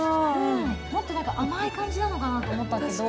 もっと甘い感じなのかなと思ったけど。